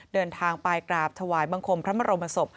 เดินทางไปกราบถวายบังคมพระบรมศพ